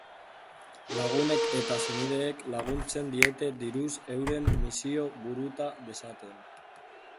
Lagunek eta senideek laguntzen diete diruz euren misioa burutu dezaten.